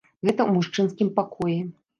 Гэта ў мужчынскім пакоі.